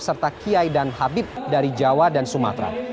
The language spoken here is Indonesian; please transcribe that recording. serta kiai dan habib dari jawa dan sumatera